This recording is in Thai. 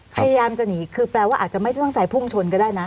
พยายามจะหนีคือแปลว่าอาจจะไม่ได้ตั้งใจพุ่งชนก็ได้นะ